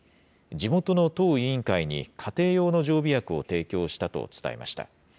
地元の党委員会に家庭用の常備薬を提供したと伝えました。